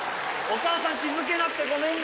お母さん気付けなくてごめんね。